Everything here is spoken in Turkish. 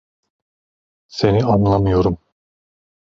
Seni anlamıyorum.